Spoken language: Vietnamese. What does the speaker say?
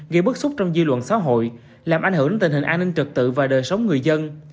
gây bức xúc trong dư luận xã hội làm ảnh hưởng đến tình hình an ninh trực tự và đời sống người dân